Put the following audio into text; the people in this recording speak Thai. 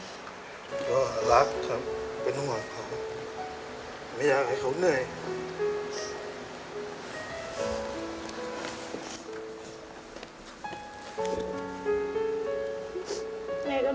ก็รักครับเป็นหวังของ